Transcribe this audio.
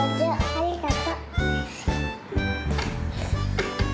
ありがとう。